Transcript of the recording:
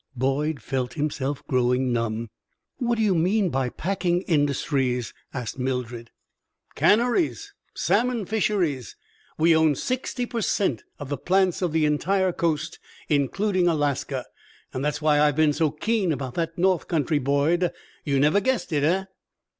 Boyd felt himself growing numb. "What do you mean by 'packing industries'?" asked Mildred. "Canneries salmon fisheries! We own sixty per cent. of the plants of the entire Coast, including Alaska. That's why I've been so keen about that north country, Boyd. You never guessed it, eh?"